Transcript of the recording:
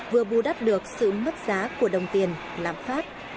vừa bù đắp được sự mất giá của đồng tiền làm pháp